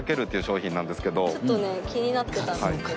ちょっとね気になってたんですけど。